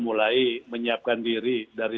mulai menyiapkan diri dari